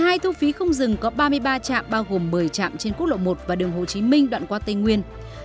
hai thu phí không dừng có ba mươi ba trạm bao gồm một mươi trạm trên quốc lộ một và đường hồ chí minh đoạn qua tây nguyên